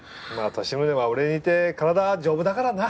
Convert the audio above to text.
利宗は俺に似て体丈夫だからな。